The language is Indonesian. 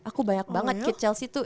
aku banyak banget kit chelsea tuh